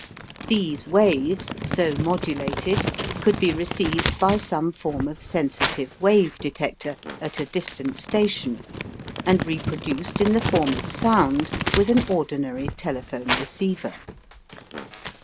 These waves so modulated could be received by some form of sensitive wave detector at a distant station and reproduced in the form of sound with an ordinary telephone receiver.